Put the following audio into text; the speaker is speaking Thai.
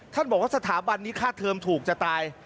บอกว่าสถาบันนี้ค่าเทอมถูกจะตาย